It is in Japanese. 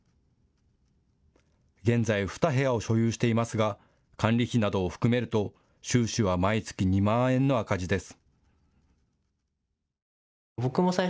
現在２部屋を所有していますが管理費などを含めると収支は毎月２万円の赤字です。